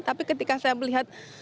tapi ketika saya melihat